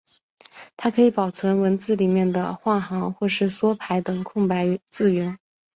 它可以保存文字里面的换行或是缩排等空白字元。